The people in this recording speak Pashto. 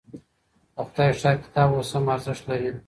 د خدای ښار کتاب اوس هم ارزښت لري.